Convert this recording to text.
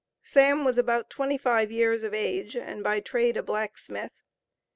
Sam was about twenty five years of age and by trade, a blacksmith.